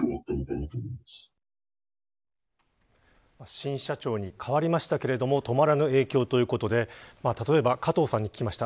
新社長に変わりましたけど止まらぬ影響ということで例えば、加藤さんに聞きました。